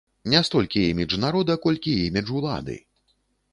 Не столькі імідж народа, колькі імідж улады.